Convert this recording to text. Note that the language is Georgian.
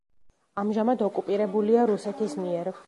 ამჟამად ოკუპირებულია რუსეთის მიერ.